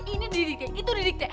ini didiknya itu didiknya